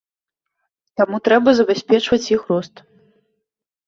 Таму трэба забяспечваць іх рост.